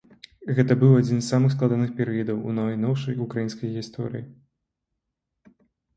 Гэта быў адзін з самых складаных перыядаў у найноўшай украінскай гісторыі.